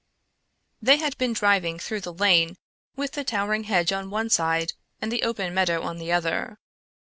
They had been driving through the lane with the towering hedge on one side and the open meadow on the other.